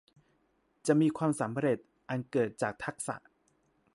จะมีความสำเร็จอันเกิดจากทักษะ